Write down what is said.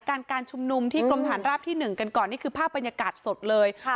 การการชุมนุมที่กรมฐานราบที่หนึ่งกันก่อนนี่คือภาพบรรยากาศสดเลยค่ะ